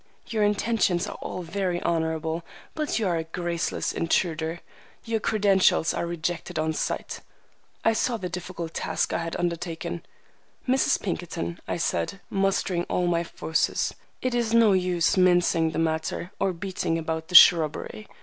Your intentions are all very honorable, but you are a graceless intruder. Your credentials are rejected on sight." I saw the difficult task I had undertaken. "Mrs. Pinkerton," I said, mustering all my forces, "it is no use mincing the matter, or beating about the shrubbery.